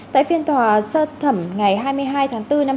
tại phiên tòa xét xử thẩm ngày hai mươi hai tháng bốn năm hai nghìn một mươi chín